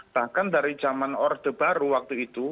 bahkan dari zaman orde baru waktu itu